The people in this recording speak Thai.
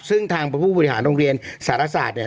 ซึ่งทางผู้บริหารโรงเรียนสารศาสตร์เนี่ย